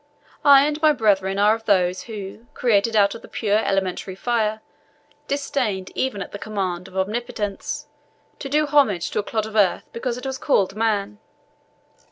I and my brethren are of those who, created out of the pure elementary fire, disdained, even at the command of Omnipotence, to do homage to a clod of earth, because it was called Man.